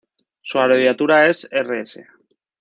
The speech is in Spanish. Su abreviatura es Rs.